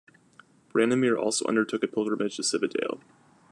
Branimir also undertook a pilgrimage to Cividale.